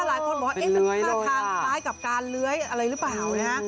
หลายคนบอกว่ามันท่าทางคล้ายกับการเลื้อยอะไรหรือเปล่านะฮะ